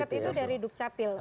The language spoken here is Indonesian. suket itu dari dukcapil